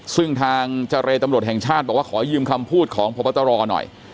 ซึ่งทางเจรตำรวจแห่งชาติบอกว่าขอยืมคำพูดของพบตรหน่อย